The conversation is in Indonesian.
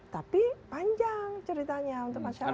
tapi panjang ceritanya untuk masyarakat